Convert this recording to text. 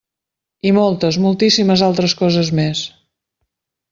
I moltes, moltíssimes altres coses més!